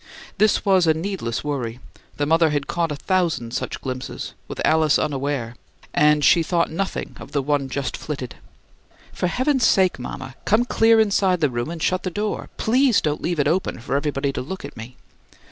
This was a needless worry; the mother had caught a thousand such glimpses, with Alice unaware, and she thought nothing of the one just flitted. "For heaven's sake, mama, come clear inside the room and shut the door! PLEASE don't leave it open for everybody to look at me!"